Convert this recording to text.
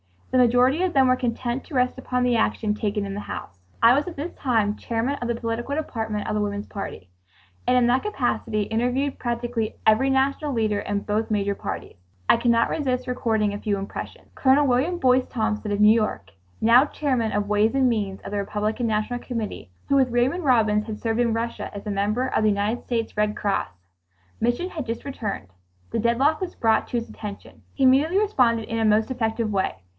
The majority of them were content to rest upon the action taken in the House. I was at this time Chairman of the Political Department of the Woman's Party, and in that capacity interviewed practically every national leader in both majority parties. I can not resist recording a few impressions. Colonel William Boyce Thompson of New York, now Chairman of Ways and Means of the Republican National Committee, who with Raymond Robins had served in Russia as member of the United States Red Cross. Mission, had just returned. The deadlock was brought to his attention. He immediately responded in a most effective way.